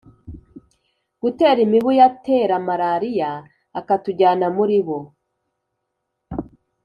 gutera imibu yatera maraliya. akatujyana muribo